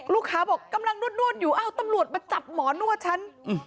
ลูกค้าบอกกำลังนวดอยู่ตำรวจมาจับหมอนวดฉัน